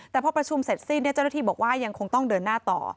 แต่พอประชุมเสร็จสิ้นเจ้าหน้าที่บอกว่ายังคงต้องเดินหน้าต่อ